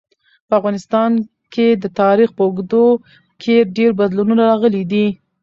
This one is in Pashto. په افغانستان کي د تاریخ په اوږدو کي ډېر بدلونونه راغلي دي.